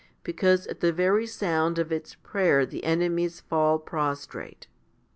because at the very sound of its prayer the enemies fall prostrate.